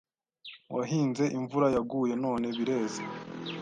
Wahinze imvura yaguye none bireze